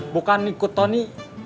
bukan ikut tony